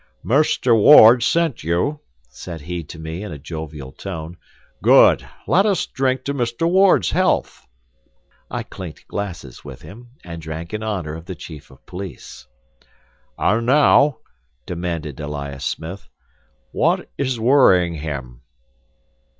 "Mr. Ward sent you," said he to me in a jovial tone. "Good; let us drink to Mr. Ward's health." I clinked glasses with him, and drank in honor of the chief of police. "And now," demanded Elias Smith, "what is worrying him?"